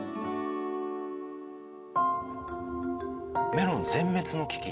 メロン全滅の危機？